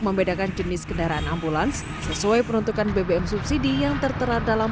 membedakan jenis kendaraan ambulans sesuai peruntukan bbm subsidi yang tertera dalam